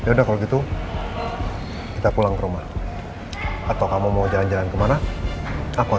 udah kalau gitu kita pulang rumah atau kamu mau jalan jalan kemana aku